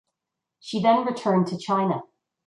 She then returned to China.